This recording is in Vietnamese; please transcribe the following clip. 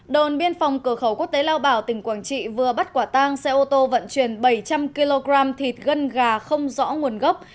đồn biên phòng cửa khẩu quốc tế lao bảo tỉnh quảng trị vừa bắt quả tang xe ô tô vận chuyển bảy trăm linh kg thịt gân gà không rõ nguồn gốc